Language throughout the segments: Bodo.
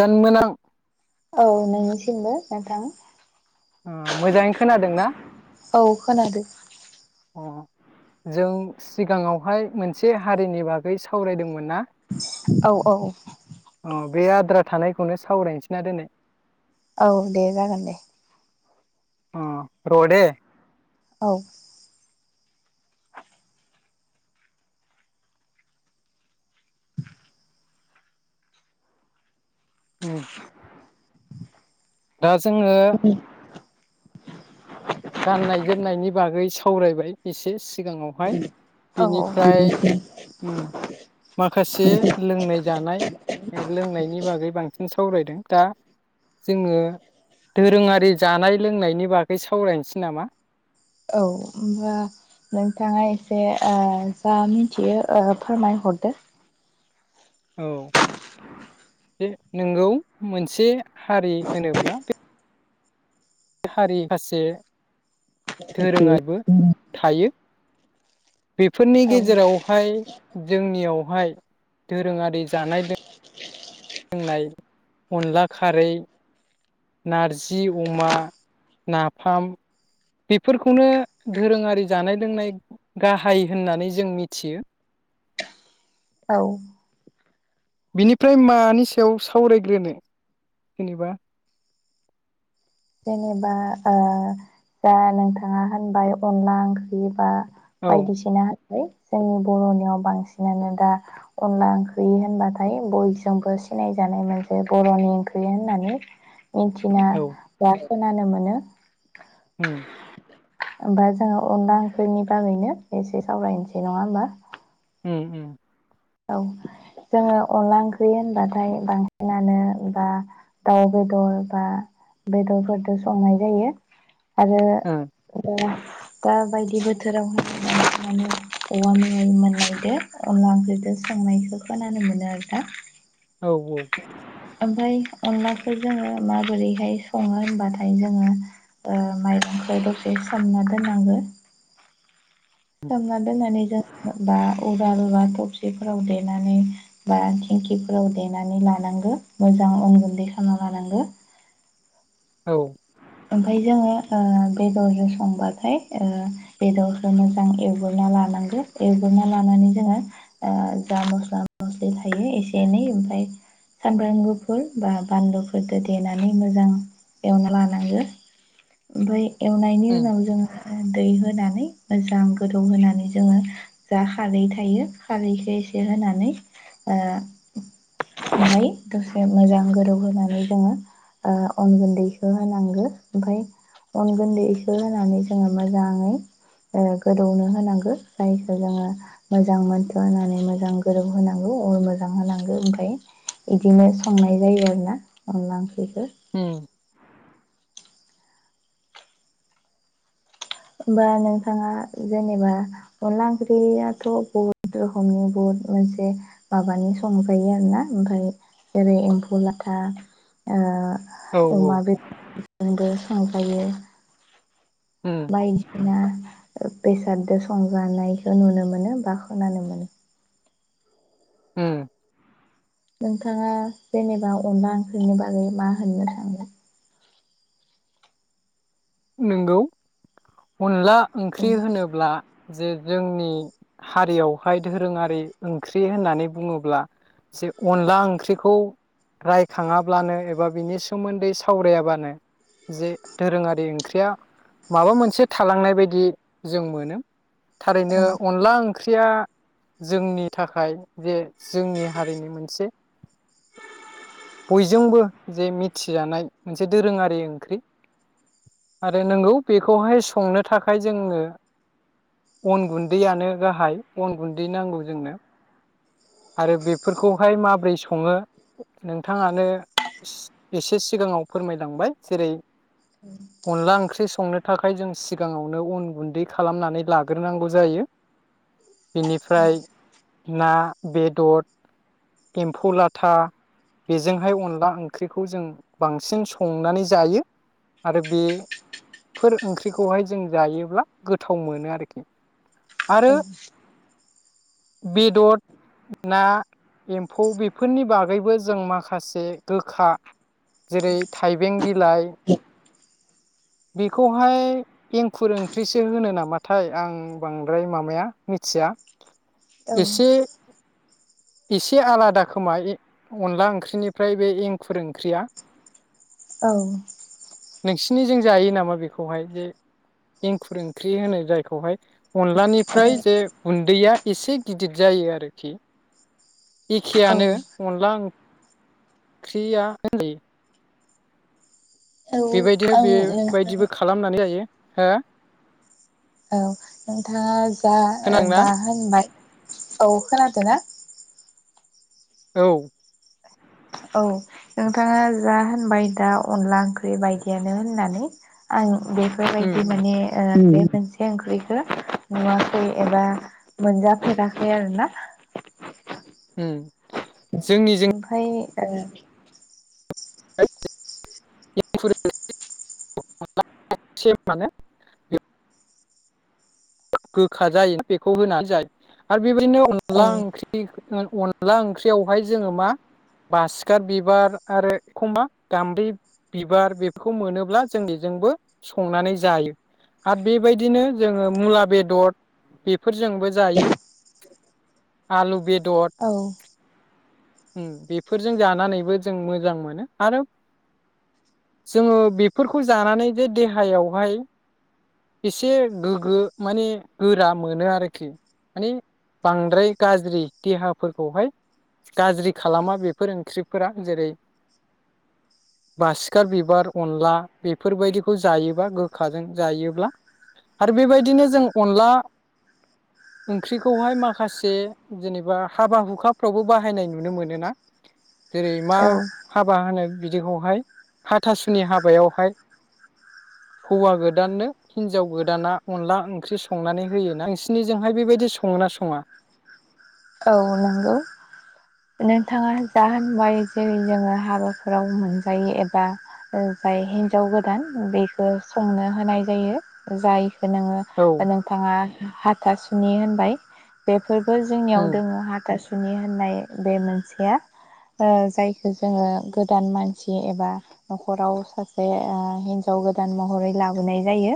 दानमोनां औ नोंनिसिमबो नोंथां आं मोजाङै खोनादों ना औ खोनादो अ जों सिगाङावहाय मोनसे हारिनि बागै सावरायदोंमो ना औ औ अ बे आद्रा थानायखौनो सावरायनोसै ना दोनै औ दे जागोन दे अ र' दे औ उम दा जोङो [inaudible] गाननाय जोमनायनि बागै सावरायबाय एसे सिगाङावहाय औ बिनिफ्राय उम माखासे लोंनाय जानाय लोंनायनि बागै बां नों सावरायदों दा जोङो दोरोङारि जानाय लोंनायनि बागै सा सावरायनोसै नामा औ होमबा नोंथाङा एसे आ जा मिथियो ओ फोरमायहरदो। औ जे नोंगौ मोनसे हारि होनोब्ला बे हारि खासे दोरोङाबो थायो। बेफोरनि औ गेजेरावहाय जोंनियाव हाय दोरोङारि जानाय लों [inaudible] लोंनाय अनला खारै नारजि अमा नाफाम बेफोरखौनो दोरोङारि जानाय लोंनाय गाहाय होननानै जों मिथियो। औ बिनिफ्राय मानि सायाव सावरायग्रोनो जेनेबा जेनेबा ओ जा नोंथाङा होनबाय अनला ओंख्रि बा औ बायदिसिना बै जों बर'नियाव बांसिनानो दा अनला ओंख्रि होनबाथाय बयजोंबो सिनायजानाय मोनसे बर'नि ओंख्रि होननानै मिथिना औ खोनानो मोनो। उम ओमबा जोङो अनला ओंख्रिनि बागैनो एसे सावरायनोसै नङा होमबा? उम उम औ जोङो अनला ओंख्रि होनबाथाय बांसिनानो बा दाउ बेदर बा बेदरफोरजों संनाय जायो। आरो ओ दा बायदि बोथोराव [unintelligible] मोनलायदो अनला ओंख्रिदो संनायखौ खोनानो मोनो आरो ना। औ औ ओमफ्राय अनलाखौ जोङो माबोरैहाय सङो होनबाथाय जोङो ओ माइरंखौ द'से सोमना दोननांगौ। सोमना दोननानै जों बा उवाल बा थबसिफोराव देनानै बा थिंखिफोराव देनानै लानांगौ मोजां अन गुनदै खालामना लानांगौ। औ ओमफफ्राय जोङो बेदरजों संबाथाय बेदरखौ ओ मोजां एवग्रोनना लानांगौ एवग्रोनना लानानै जोङो ओ जा मस्ला मस्लि थायो एसे एनै ओमफफ्राय सामब्राम गुफुर बा बानलुफोरजों देनानै मोजां एवना लान नांगो ओमफ्राय एवनायनि उम उनाव जों दै होनानै मोजां गोदौ होनानै जोङो जा खारै थायो खारैखौ एसे होनानै मायो दसे मोजां गोदौ होनानै जोङो अन गुनदैखौ होनांगौ ओमफ्राय अन गुनदैखौ होनानै जोङो मोजाङै ओ गोदौनो होनांगौ जायखौ जोङो मोजां मोनथ' होनानै मोजां गोदौ होनांगौ अर मोजां होनांगौ ओमफ्राय बिदिनो संनाय जायो आरोना अनला ओंख्रि ओंख्रिखौ उम होमबा नोंथाङा जेनेबा अनला ओंख्रियाथ' बहुद रोखोमनि बहुद मोनसे माबानि संजायो आरोना ओमफ्राय जेरै एमफौ लाथा ओ औ अमा बेदर ओंखायो उम बायदिसिना बेसादजों संजानायखौ नुनो मोनो बा खोनानो मोनो उम नोंथाङा जेनेबा अनला ओंख्रिनि बागै मा होननो सानो नंगौ अनला ओंख्रि होनोब्ला जे जोंनि हारियावहाय दोरोङारि ओंख्रि होननानै बुङोब्ला जे अनला ओंख्रिखौ रायखाङाब्लानो एबा बिनि सोमोनदै सावरायाबानो जे दोरोङारि ओं ख्रिया माबा मोनसे थालांनाय बायदि जों मोनो थारैनो औ अनला ओं- ख्रिया जोंनि थाखाय जे जोंनि हारिनि मोनसे बयजोंबो जे मिथिजानाय मोनसे दोरोङारि ओंख्रि आरो नंगौ बेखौहाय संनो थाखाय जोंनो अन गुनदैयानो गाहाय अन गुनदै नांगौ जोंनो आरो बेफोरखौहाय माबोरै सङो नोंथाङानो एसे सिगाङाव फोरमायलांबाय जेरै अनला ओंख्रि संनो थाखाय जों सिगाङावनो उन गुनदै खालामनानै लाग्रोनांगौ जायो बेनिफ्राय ना बेदर एमफौ लाथा बेजोंहाय अनला ओंख्रिखौ जों बांसिन संनानै जायो आरो बेफोर ओंख्रिखौहाय जों जायोब्ला गोथाव मोनो आरोखि आरो औ बेदर ना एमफौ बेफोरनि बागैबो जों माखासे गोखा जेरै थाइबें बिलाइ बेखौहाय एंखुर ओंख्रिसो होनो नामाथाय आं बांद्राय माबाया मिथिया एसे एसे आलादा खोमा अनला ओंख्रिनिफ्राय बे एंखुर ओंख्रिया औ नोंसिनिजों जायो नामा बेखौहाय जे एंखुर ओंख्रि होनो जायखौहाय अनलानिफ्राय जे गुनदैया एसे गिदिद जायो आरो खि औ एखेयानो अनला ओं ख्रिया [unintelligible] औ बेबाय दि आं बे नोंथां बायदिबो खालामनानै जायो हो औ नोंथाङा जा खोनादोंना दा होनबाय औ खोनादोना औ औ नोंथाङा जा होनबाय दा अनला ओंख्रि बायदियानो होननानै आं उम बेफोरबायदि माने ओ उम बे मोनसे ओंख्रिखो नुवाखै एबा मोनजाफेराखै आरोना उम जोंनिजों ओमफ्राय औ [unintelligible] माने गोखा जायो बेखौ होनानै जायो आरो बेबायदिनो औ अनला ओंख्रि अनला ओंख्रियावहाय जोङो मा बासिखार बिबार आरो एखमबा गामबारि बिबार बेफोरखौ मोनोब्ला जों बेजोंबो संनानै जायो आरो बेबायदिनो जो मुला बेदर बेफोरजोंबो जायो आलु बे औ उम बेफोरजों जानानैबो जों मोजां मोनो आरो जोङो बेफोरखौ जानानै जे देहायावहाय एसे गोग्गो माने गोरा मोनो आरोखि माने बांद्राय गाज्रि देहाफोरखौहाय गाज्रि खालामा बेफोर ओंख्रिफोरा जेरै बासिखा बिबार अनला बेफोरबायदिखौ जायोबा गोखाजों जायोब्ला आरो बेबायदिनो जों अनला ओंख्रिखौहाय माखासे जेनेबा हाबा हुखाफ्रावबो बाहायनाय नुनो मोनोना जेरै मा औ हाबा होनो बिदिखौहाय हाथासुनि हाबायावहाय हौवा गोदाननो हिनजाव गोदाना अनला ओं ख्रि संनानै होयोना नोंसिनिजोंहाय बेबायदि सङोना सङा? औ नंगौ नोंथाङा जा होनबाय जेरै जोङो हाबाफोराव मोनजायो एबा जाय हिन्जाव गोदान बेखौ संनो होनाय जायो जाय औ नोङो नोंथाङा हाथा सुनि होनबाय बे फोरबो जोंनियाव उम, ओ हाथासुनि होननाय बे मोनसेया ओ जायखौ जोङो गोदान मानसि एबा नखराव सासे ओ हिनजाव गोदान महरै लाबोनाय जायो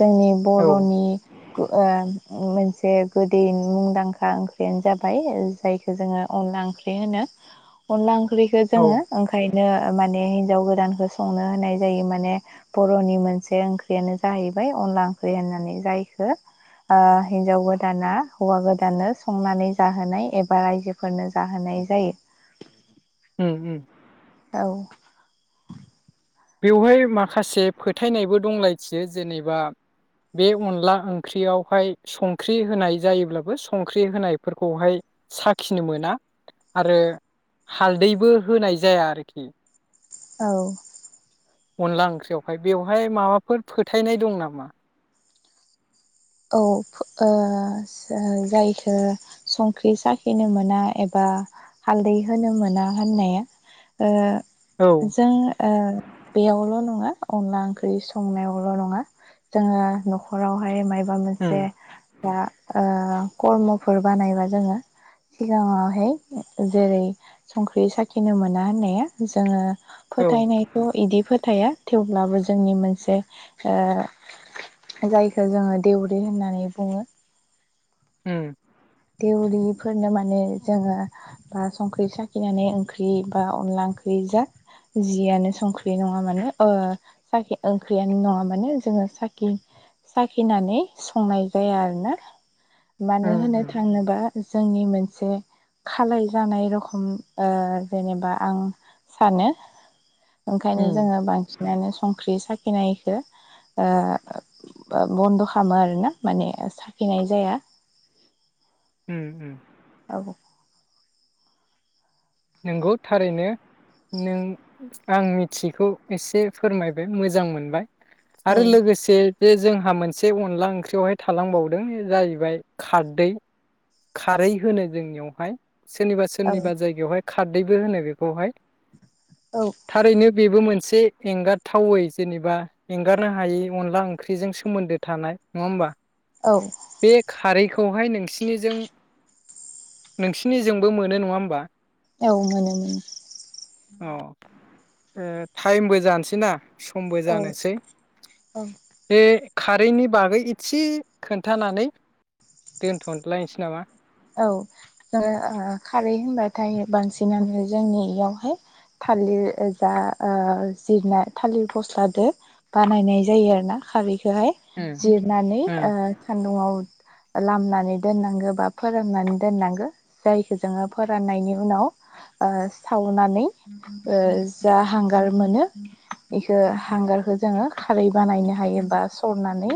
जोंनि औ बर'नि ओ मोनसे गोदै मुंदांखा ओं ख्रियानो जाबाय जायखौ जोङो अनला ओंख्रि होनो अनला ओं ख्रिखो औ जोङो ओंखाय बिनो माने हिनजाव गोदानखौ संनो होननाय जायो माने बर'नि मोनसे ओंख्रियानो जाहैबाय अनला ओंख्रि होननानै जायखौ ओ हिनजाव गोदाना हौवा गोदाननो संनानै जाहोनाय एबा रायजोफोरनो जाहोनाय जायो उम उम औ बेवहाय माखासे फोथायनायबो दंलाय थियो जेनेबा बे अनला ओंख्रियावहाय संख्रि होनाय जायोब्लाबो संख्रि होनायफोरखौहाय साखिनो मोना आरो हालदैबो होनाय जाया आरोखि औ अनला ओंख्रियावहाय बेवहाय माबाफोर फोथायनाय दं नामा? औ ओ जायखौ संख्रि साखिनो मोना एबा हालदै होनो मोना होननाया औ ओ जों ओ बेयावल' नंङा अनला ओंख्रि संनायावल' नङा जोंङो न'खरावहाय माय बा उम मोनसे दा ओ कर्मफोर बानायबा जोंङो सिगांङावहाय जेरै संख्रि साखिनो मोना होननाया जोंङो औ फोथायनायथ' इदि फोथाया थेवब्लाबो जोंनि मोनसे ओ जायखौ जोंङो देउरि होननानै बुङो। उम देउरिफोरनो माने जोंङो बा संख्रि साखिनानै ओंख्रि बा अनला ओंख्रि जा जियानो संख्रि नङा ओ साखि ओंख्रियानो नङा मानोे जोंङो साखि साखिनानै संनाय जाया आरोना मानो उम उम होनो बा जोंनि मोनसे खालाय जानाय रखम ओ जेनेबा आं सानो। ओंखायनो उम जोंङो बां नानो संख्रि साखिनायखौ ओ बन्द' खालामो आरोना माने साखिनाय जाया। उम उम आबौ नोंगौ थारैनो नों आं मिथियैखौ एसे फोरमायबाय मोजां मोनबाय। औ आरो लोगोसे जे जोंहा मोनसे अनला ओंख्रियावहाय थालांबावदों इ जाहैबाय खारदै। खारै होनो जोंनियावहाय सोरनिबा औ सोरनिबा जायगायावहाय खारदैबो होनो बेखौहाय। औ थारैनो बेबो मोन से एंगारथावै जेनेबा एंगारनो हायै अनला ओंख्रिजों सोमोन्दो थानाय। नङा होमबा? औ बे खारै खौहाय नोंसिनि जों नोंसिनि जोंबो मोनो। नङा होमबा? औ मोनो मोनो। अ ओ टाइमबो जानोसै ना। समबो औ जानोसै औ बे खारैनि बागै इदसे खोन्थानानै दोनथ' लायनसै नामा? औ ओ ओ खारै होनबाथाय बांसिनानो जोंनि इयावहाय थालिर ओजा ओ जिरना थालिर फस्लाजों बानायनाय जायो आरो ना खारै बेहाय उम जिरनानै उम ओ सान्दुं आव लामनानै दोननांगो बा फोराननानै दोननांगो जायखो जोङो फोराननायनि उनाव ओ सावनानै ओ जा हांगार मोनो इखो हांगारखो जोङो खारै बानायनो हायो बा सरनानै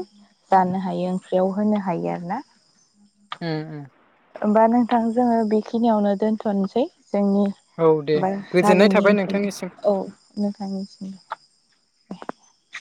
जानो हायो ओंख्रियाव होनो हायो आरोना। उम उम। होमबा नोंथां जोङो बेखिनियावनो दोनथ'नसै जोंनि औ दे बार गोजोननाय हारिनि थाबाय ओंख्रि नोंथांनिसिम औ नोंथानिसिम [inaudible]